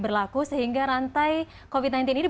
berlaku sehingga rantai covid sembilan belas ini